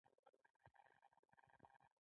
چې مې ستا د تېو ښه ننداره وکــړه